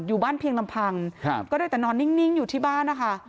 อยู่บ้านเพียงลำพังก็ได้แต่นอนนิ่งอยู่ที่บ้านนะคะ